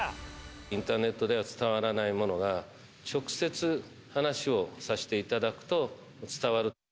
インターネットでは伝わらないものが、直接話をさせていただくと伝わる。